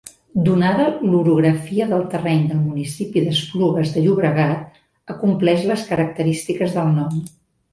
Donada l'orografia del terreny del municipi d'Esplugues de Llobregat acompleix les característiques del nom.